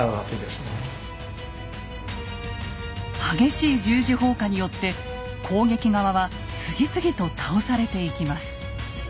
激しい十字砲火によって攻撃側は次々と倒されていきます。